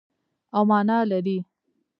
او مانا لري.